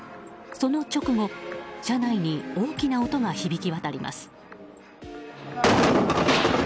その直後車内に大きな音が響き渡ります。